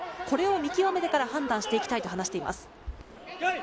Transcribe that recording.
これを見極めてから判断していきたいと話しています。